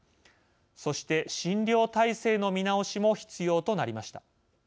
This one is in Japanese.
そして、診療体制の見直しも必要となりました。